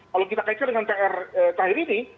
kalau kita kaitkan dengan pr terakhir ini